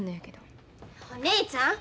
お姉ちゃん。